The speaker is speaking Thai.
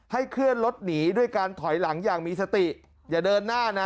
เคลื่อนรถหนีด้วยการถอยหลังอย่างมีสติอย่าเดินหน้านะ